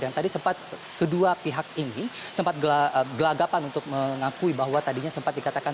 dan tadi sempat kedua pihak ini sempat gelagapan untuk mengakui bahwa tadinya sempat dikatakan